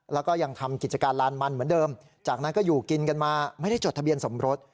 แล้วก็ยังทำกิจการลานมันเหมือนเดิมจากนั้นก็อยู่กินกันมาไม่ได้จดทะเบียนสมรส